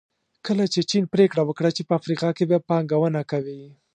کله چې چین پریکړه وکړه چې په افریقا کې به پانګونه کوي.